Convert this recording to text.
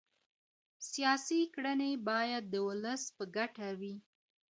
سياسي کړنې بايد د ولس په ګټه وي.